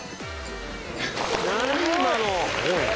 何今の。